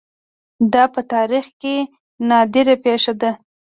دا په تاریخ کې نادره پېښه ده